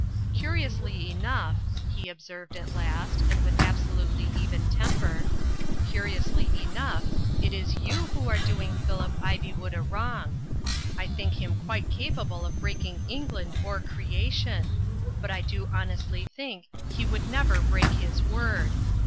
"Curiously enough," he observed, at last, and with absolutely even temper, "curiously enough, it is you who are doing Phillip Ivywood a wrong. I think him quite capable of breaking England or Creation. But I do honestly think he would never break his word.